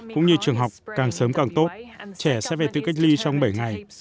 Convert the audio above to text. cũng như trường học càng sớm càng tốt trẻ sẽ phải tự cách ly trong bảy ngày